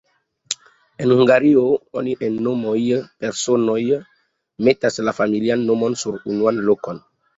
En Hungario, oni en nomoj de personoj metas la familian nomon sur unuan lokon.